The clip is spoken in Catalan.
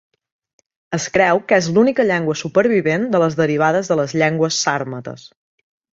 Es creu que és l'única llengua supervivent de les derivades de les llengües sàrmates.